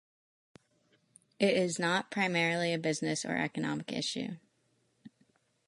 It is not primarily a business or economic issue.